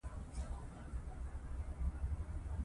ناروغي لګښت لري.